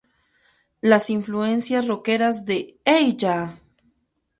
Las influencias roqueras de "Hey Ya!